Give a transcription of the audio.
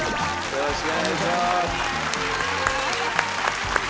よろしくお願いします。